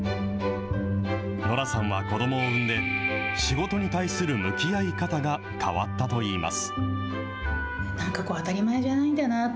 ノラさんは子どもを産んで、仕事に対する向き合い方が変わったといいます。